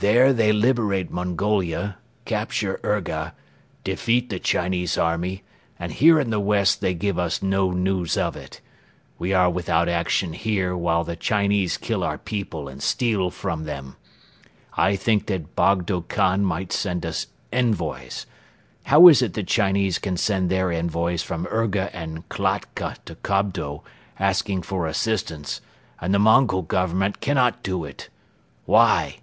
"There they liberate Mongolia, capture Urga, defeat the Chinese army and here in the west they give us no news of it. We are without action here while the Chinese kill our people and steal from them. I think that Bogdo Khan might send us envoys. How is it the Chinese can send their envoys from Urga and Kiakhta to Kobdo, asking for assistance, and the Mongol Government cannot do it? Why?"